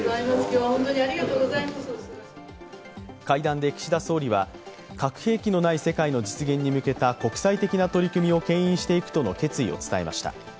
会談で岸田総理は、核兵器のない世界の実現に向けた国際的な取り組みをけん引していくとの決意を伝えました。